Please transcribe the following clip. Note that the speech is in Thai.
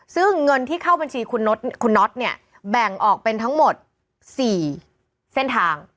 ซึ่งเงินที่เข้าบัญชีคุณน็อตเนี่ยแบ่งออกเป็นทั้งหมด๔เส้นทาง